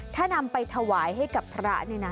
ถ้านำไปถวายให้กับพระนี่นะ